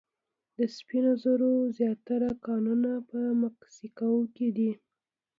د سپینو زرو زیاتره کانونه په مکسیکو کې دي.